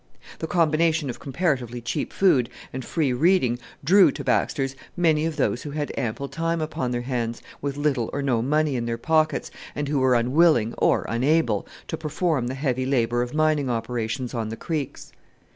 The combination of comparatively cheap food and free reading drew to Baxter's many of those who had ample time upon their hands, with little or no money in their pockets, and who were unwilling, or unable, to perform the heavy labour of mining operations on the creeks.